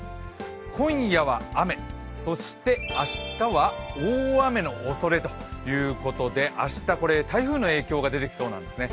今夜は雨、そして明日は大雨のおそれということで明日、台風の影響が出てきそうなんですね。